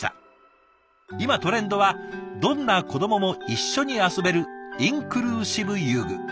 今トレンドはどんな子どもも一緒に遊べるインクルーシブ遊具。